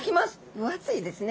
分厚いですね。